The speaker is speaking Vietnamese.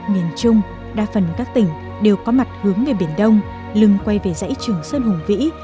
miền trung đa phần các tỉnh đều có mặt hướng về biển đông lưng quay về dãy trường sơn hùng vĩ